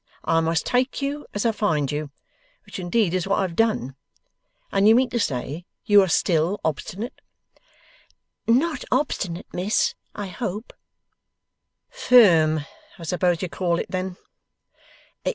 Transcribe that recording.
I must take you as I find you. Which indeed is what I've done. And you mean to say you are still obstinate?' 'Not obstinate, Miss, I hope.' 'Firm (I suppose you call it) then?